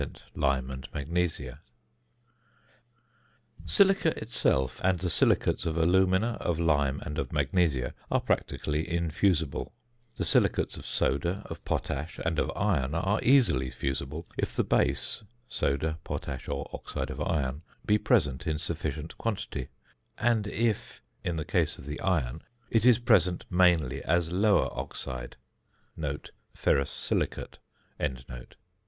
|||| 45 55 | Silica itself, and the silicates of alumina, of lime, and of magnesia, are practically infusible; the silicates of soda, of potash, and of iron are easily fusible if the base (soda, potash, or oxide of iron) be present in sufficient quantity, and if, in the case of the iron, it is present mainly as lower oxide (ferrous silicate).